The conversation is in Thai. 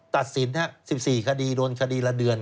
ตัดสิน๑๔คดีโดนคดีละเดือน